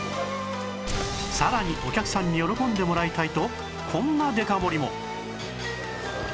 さらにお客さんに喜んでもらいたいとこんなデカ盛りも！